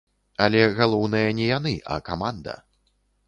Але галоўнае не яны, а каманда.